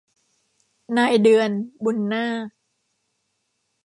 นายเดือน บุนนาค